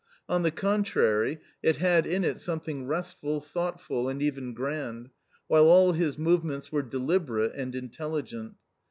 On the contrary, it had in it something restful, thoughtful, and even grand, while all his movements were deliberate and intelligent.